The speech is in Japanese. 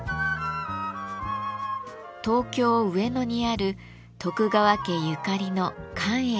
東京・上野にある徳川家ゆかりの寛永寺です。